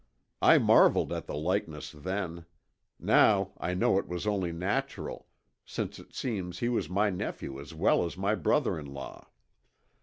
I marveled at the likeness then. Now I know it was only natural, since it seems he was my nephew as well as my brother in law.